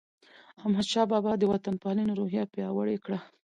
احمدشاه بابا د وطن پالنې روحیه پیاوړې کړه.